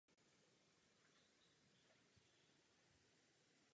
Soudní jednání se táhlo více než tři roky.